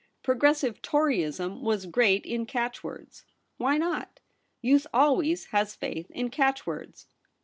Progressive Toryism was great in catch words. Why not ? Youth always has faith in catch words.